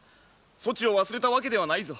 そちを忘れたわけではないぞ。